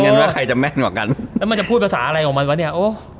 แล้วมันจะพูดภาษาอะไรของมันกันแหละ